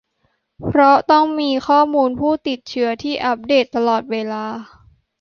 เพราะต้องมีข้อมูลผู้ติดเชื้อที่อัปเดตตลอดเวลา